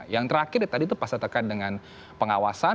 yang terakhir tadi itu pasal terkait dengan pengawasan